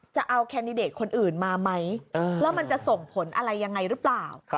แคนดิเดตคนอื่นมาไหมแล้วมันจะส่งผลอะไรยังไงหรือเปล่า